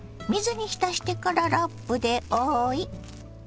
水に浸してからラップで覆い。